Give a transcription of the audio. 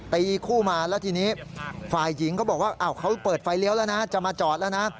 ตีคู่มาแล้วทีนี้ฝ่ายหญิงก็บอกว่าเขาเปิดไฟเลี้ยวแล้วนะจะมาจอดแล้วนะ